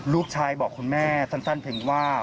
ลูกชายบอกคุณแม่สั้นเพียงว่า